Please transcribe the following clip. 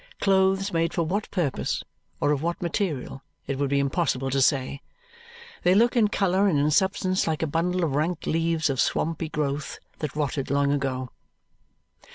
Clothes made for what purpose, or of what material, it would be impossible to say. They look, in colour and in substance, like a bundle of rank leaves of swampy growth that rotted long ago.